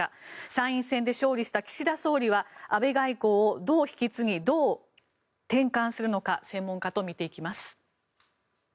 参院選で勝利した岸田総理は安倍外交をどう引き継ぎ、どう転換するのか専門家と見ていきます。